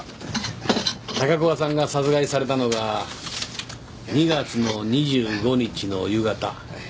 高桑さんが殺害されたのが２月の２５日の夕方。